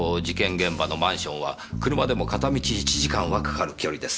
現場のマンションは車でも片道１時間はかかる距離です。